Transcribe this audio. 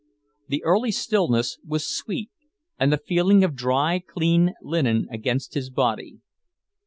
The early stillness was sweet, and the feeling of dry, clean linen against his body.